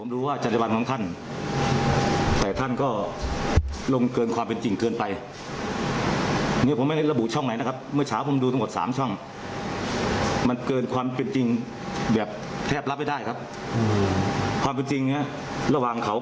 ลองฟังเสียงเขาหน่อยนะคะ